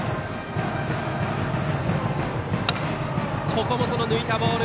ここも、その抜いたボール。